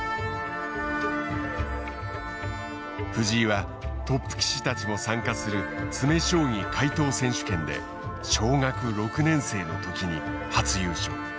藤井はトップ棋士たちも参加する詰将棋解答選手権で小学６年生の時に初優勝。